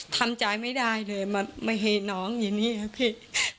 ทำใจไม่ได้เลยมาเห็นน้องอย่างนี้ครับพี่